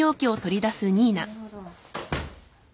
なるほど。